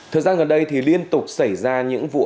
thời gian gần đây thì liên tục xảy ra những vụ